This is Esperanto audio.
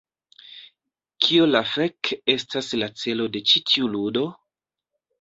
Kio la fek estas la celo de ĉi tiu ludo?